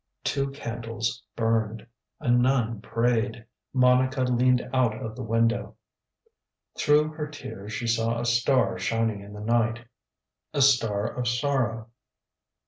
TWO candles burned. A nun prayed. Monica leaned out of the window. THROUGH her tears she saw a star shining in the night. A STAR of sorrow.